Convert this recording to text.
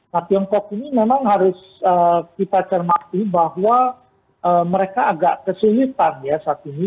nah tiongkok ini memang harus kita cermati bahwa mereka agak kesulitan ya saat ini